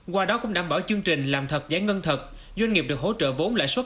qua đó cũng đảm bảo chương trình làm thật giải ngân thật doanh nghiệp được hỗ trợ vốn lãi suất